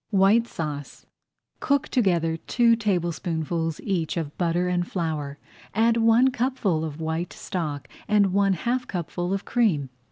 WHITE SAUCE Cook together two tablespoonfuls each of butter and flour, add one cupful of white stock and one half cupful of cream.